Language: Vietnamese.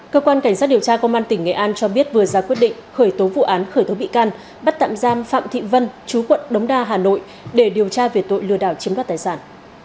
cơ quan cảnh sát điều tra công an tỉnh nghệ an cho biết vừa ra quyết định khởi tố vụ án khởi tố bị can bắt tạm giam phạm thị vân chú quận đống đa hà nội để điều tra về tội lừa đảo chiếm đoạt tài sản